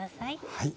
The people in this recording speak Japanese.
はい。